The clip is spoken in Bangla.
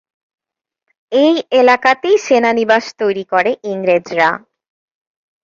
এই এলাকাতেই সেনানিবাস তৈরি করে ইংরেজরা।